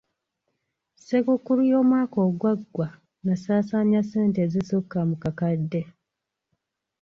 Ssekukkulu y'omwaka ogwaggwa nnasaasaanya ssente ezisukka mu kakadde.